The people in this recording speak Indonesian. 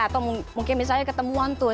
atau mungkin misalnya ketemuan tuh